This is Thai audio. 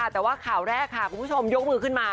แต่ว่าข่าวแรกค่ะคุณผู้ชมยกมือขึ้นมา